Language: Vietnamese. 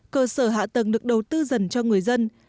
cơ sở hạ tầng được đầu tư dần cho người dân